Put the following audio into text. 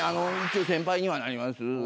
一応先輩にはなります。